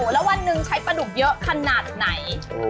แล้ววันหนึ่งใช้ปลาดุกเยอะขนาดไหน